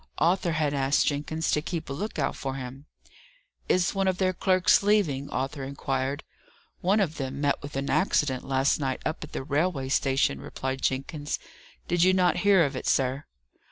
Arthur had asked Jenkins to keep a look out for him. "Is one of their clerks leaving?" Arthur inquired. "One of them met with an accident last night up at the railway station," replied Jenkins. "Did you not hear of it, sir?"